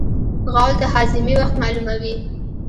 غول د هاضمې وخت معلوموي.